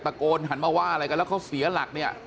หันมาว่าอะไรกันแล้วเขาเสียหลักเนี่ย